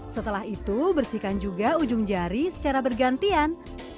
setelah itu bersihkan juga ujung jari secara bergantian